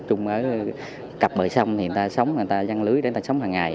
chúng ở cặp bờ sông thì người ta sống người ta dân lưới thì người ta sống hằng ngày